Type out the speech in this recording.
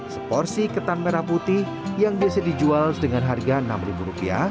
seporsi ketan merah putih yang biasa dijual dengan harga rp enam